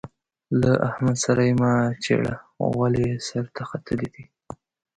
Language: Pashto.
له احمد سره يې مه چېړه؛ غول يې سر ته ختلي دي.